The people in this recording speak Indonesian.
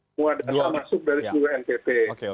semua data masuk dari seluruh npp